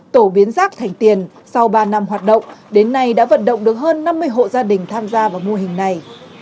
tổ biến rác thành tiền sau ba năm hoạt động đến nay đã vận động được hơn năm mươi hộ gia đình tham gia vào mô hình này